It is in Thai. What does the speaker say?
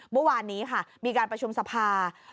เมื่อวานนี้ค่ะมีการประชุมสภา